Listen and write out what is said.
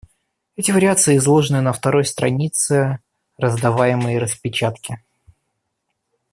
Эти вариации изложены на второй странице раздаваемой распечатки.